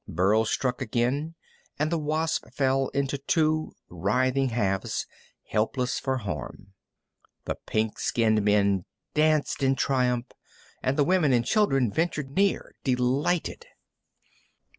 Burl struck again, and the wasp fell into two writhing halves, helpless for harm. The pink skinned men danced in triumph, and the women and children ventured near, delighted.